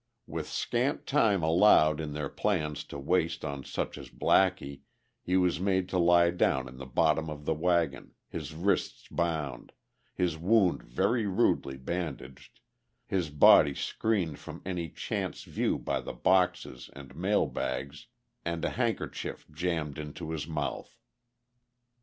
With scant time allowed in their plans to waste on such as Blackie he was made to lie down in the bottom of the wagon, his wrists bound, his wound very rudely bandaged, his body screened from any chance view by the boxes and mail bags and a handkerchief jammed into his mouth.